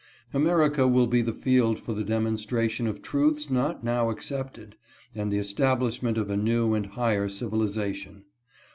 America will be the field for the demonstration of truths not now accepted and the establishment of a new and higher civilization.